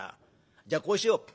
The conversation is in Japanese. じゃあこうしよう。